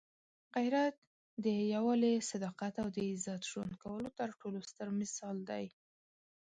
غیرت د یووالي، صداقت او د عزت ژوند کولو تر ټولو ستر مثال دی.